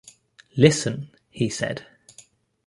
"Listen," he said.